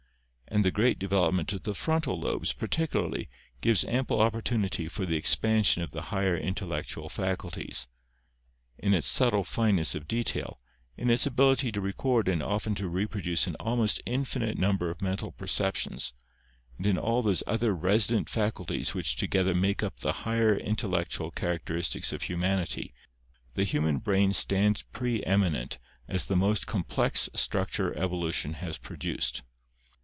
And the great development t>f the frontal lobes, par ticularly, gives ample opportunity for the expansion of the higher intellectual faculties. In its subtle fineness of detail, in its ability to record and often to reproduce an almost infinite number of mental perceptions, and in all those other resident fac ulties which together make up the higher intellectual characteris tics of humanity, the human brain stands preeminent as the most complex structure evolution has produced.